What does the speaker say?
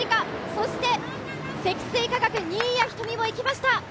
そして、積水化学・新谷仁美もいきました。